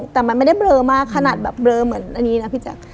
แต่มันไม่ได้เบลอมากขนาดแบบเบลอเหมือนอันนี้นะพี่แจ๊ค